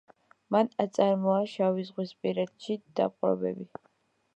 მან აწარმოა შავიზღვისპირეთში დაპყრობები.